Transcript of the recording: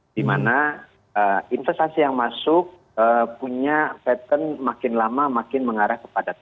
di mana investasi yang masuk punya pattern makin lama makin mengarah kepada